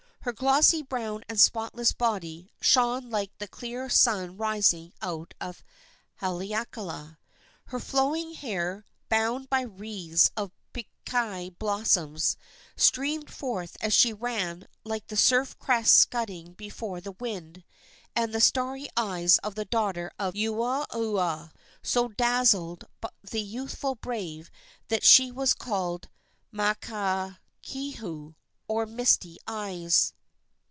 Her glossy brown and spotless body "shone like the clear sun rising out of Heleakala." Her flowing hair, bound by wreaths of pikaki blossoms, streamed forth as she ran "like the surf crests scudding before the wind," and the starry eyes of the daughter of Uaua so dazzled the youthful brave that he was called Makakehau, or "Misty Eyes."